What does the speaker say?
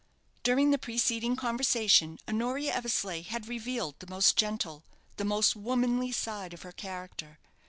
During the preceding conversation Honoria Eversleigh had revealed the most gentle, the most womanly side of her character.